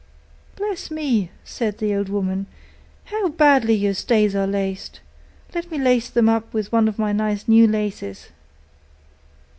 'Bless me!' said the old woman, 'how badly your stays are laced! Let me lace them up with one of my nice new laces.